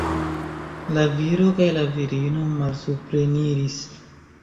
La viro kaj la virino malsupreniris.